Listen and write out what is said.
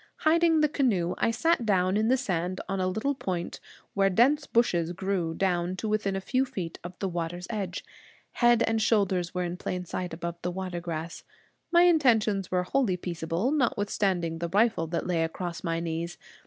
Hiding the canoe, I sat down in the sand on a little point, where dense bushes grew down to within a few feet of the water's edge. Head and shoulders were in plain sight above the water grass. My intentions were wholly peaceable, notwithstanding the rifle that lay across my knees.